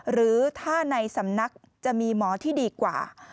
หรือถ้าในสำนักจะมีหมอที่ดีกว่า